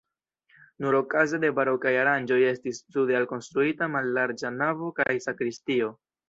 Nur okaze de barokaj aranĝoj estis sude alkonstruita mallarĝa navo kaj sakristio.